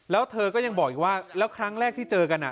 แล้วเธอก็ยังบอกอีกว่าแล้วครั้งแรกที่เจอกัน